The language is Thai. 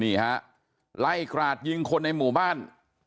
นี่ฮะไล่กราดยิงคนในหมู่บ้าน